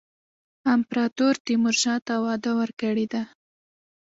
امپراطور تیمورشاه ته وعده ورکړې ده.